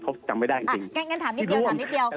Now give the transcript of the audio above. เขาจำไม่ได้จริงงั้นถามนิดเดียว